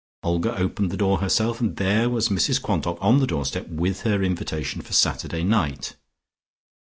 Olga opened the door herself and there was Mrs Quantock on the doorstep with her invitation for Saturday night.